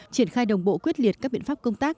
triển khai đồng bộ quyết liệt các biện pháp công tác